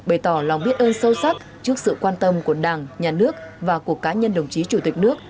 bày tỏ lòng biết ơn sâu sắc trước sự quan tâm của đảng nhà nước và của cá nhân đồng chí chủ tịch nước